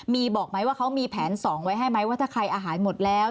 มีบอกไหมว่าเขามีแผน๒ไว้ให้ไหมว่าถ้าใครอาหารหมดแล้ว